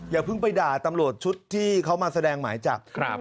อย่าเพิ่งไปด่าตำรวจชุดที่เขามาแสดงหมายจับ